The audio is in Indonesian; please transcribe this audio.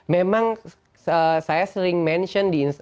memang saya sering mention